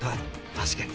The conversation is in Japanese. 確かに。